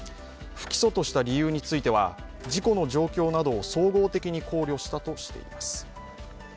不起訴とした理由については、事故の状況などを総合的に考慮したとしています。